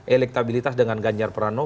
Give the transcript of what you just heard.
elektabilitas dengan ganjar pranuk